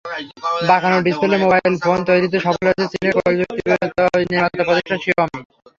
বাঁকানো ডিসপ্লের mobile phone তৈরিতে সফল হয়েছে চীনের প্রযুক্তিপণ্য নির্মাতা প্রতিষ্ঠান শিয়াওমি।